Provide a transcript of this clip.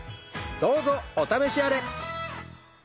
どうぞお試しあれ！